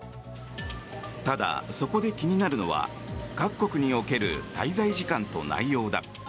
ただ、そこで気になるのは各国における滞在時間と内容だ。